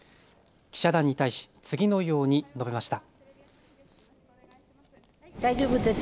記者団に対し次のように述べました。